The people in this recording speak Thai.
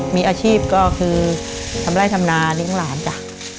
มีอาชีพก็คือทำไร่ทำนาเลี้ยงหลานจ้ะ